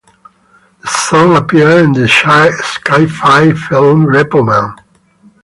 The song appears in the sci-fi film Repo Men.